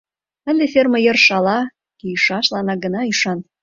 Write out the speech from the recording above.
Ынде ферме йыр шала кийышыланак гына ӱшан.